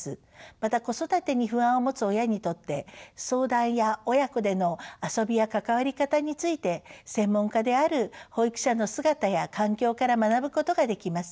また子育てに不安を持つ親にとって相談や親子での遊びや関わり方について専門家である保育者の姿や環境から学ぶことができます。